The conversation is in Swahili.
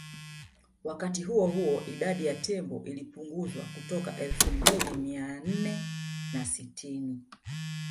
Wakati huo huo idadi ya tembo ilipunguzwa kutoka Elfu mbili mia nne na sitini